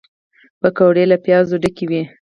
پکورې له پیازو ډکې وي